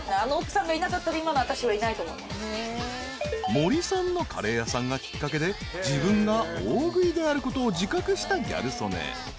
［森さんのカレー屋さんがきっかけで自分が大食いであることを自覚したギャル曽根］